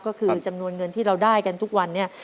ก็คือจำนวนเงินที่เราได้กันทุกวันนี้